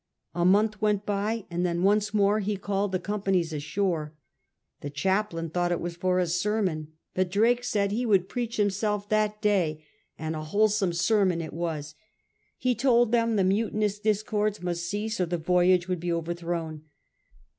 A month went by, and then once more he called the companies ashore. The chaplain thought it was for a sermon, but Drake said he would preach himself that day, and a wholesome sermon V THE CONSPIRACY STAMPED OUT 75 it was. He told them the mutinous discords must cease or the voyage would be overthrown.